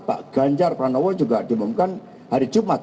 pak ganjar pranowo juga diumumkan hari jumat